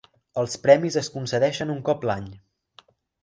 Els premis es concedeixen un cop l'any.